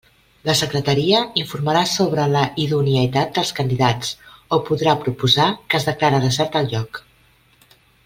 La Secretaria informarà sobre la idoneïtat dels candidats o podrà proposar que es declare desert el lloc.